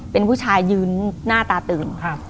เป็นผู้ชายยืนหน้าตาตื่น